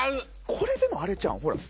これでもあれちゃうん？